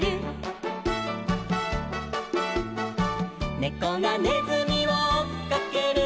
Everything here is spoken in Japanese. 「ねこがねずみをおっかける」